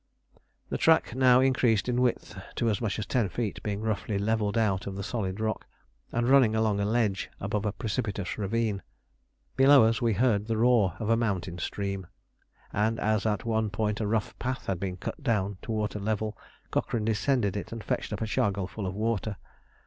The track now increased in width to as much as ten feet, being roughly levelled out of the solid rock, and running along a ledge above a precipitous ravine. Below us we heard the roar of a mountain stream, and as at one point a rough path had been cut down to water level, Cochrane descended it and fetched up a chargal full of water.